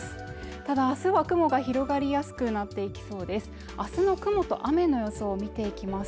ただあすは雲が広がりやすくなっていきそうです